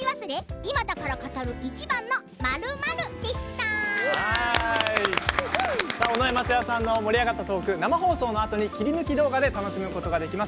今だから語る、一番の尾上松也さんの盛り上がったトーク生放送のあと切り抜き動画で楽しむことができます。